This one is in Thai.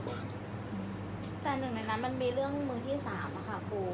อันไหนที่มันไม่จริงแล้วอาจารย์อยากพูด